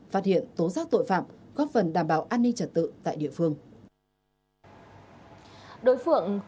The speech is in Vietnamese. phát hiện tố giác tội phạm góp phần đảm bảo an ninh trật tự tại địa phương